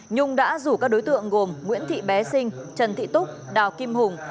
nhung đã rủ các đối tượng gồm nguyễn thị bé sinh trần thị túc đào kim hùng